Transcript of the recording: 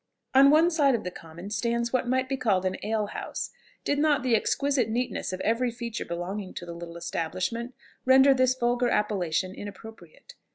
On one side of the common stands what might be called an alehouse, did not the exquisite neatness of every feature belonging to the little establishment render this vulgar appellation inappropriate.